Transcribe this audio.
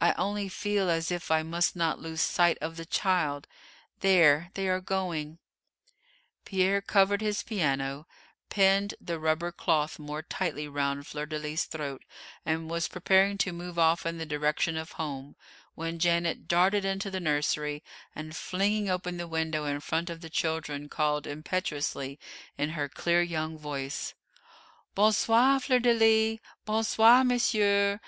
"I only feel as if I must not lose sight of the child there they are going!" Pierre covered his piano, pinned the rubber cloth more tightly round Fleur de lis's throat, and was preparing to move off in the direction of home, when Janet darted into the nursery, and, flinging open the window in front of the children, called impetuously in her clear young voice; "Bon soir, Fleur de lis! Bon soir, monsieur!